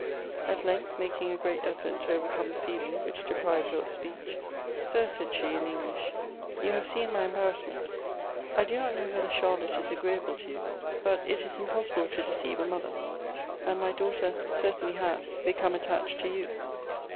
At length, making a great effort to overcome the feeling which deprived her of speech :" Sir, said she, in English, '^ you have seen my embarrassment : I do not know whether Charlotte is agreeable to you ; but it is im possible to deceive a mother : and my daughter certainly has 390 MEMOIBS OF become attached to yon.